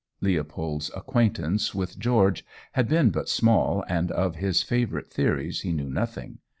Leopold's acquaintance with George had been but small, and of his favourite theories he knew nothing.